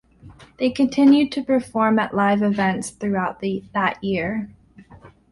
They continued to perform at live events throughout that year.